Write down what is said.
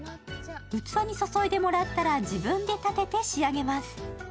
器に注いでもらったら自分でたてて仕上げます。